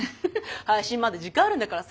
配信まで時間あるんだからさ